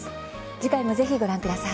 次回もぜひご覧ください。